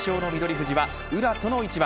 富士は宇良との一番。